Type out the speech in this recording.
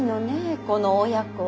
この親子は。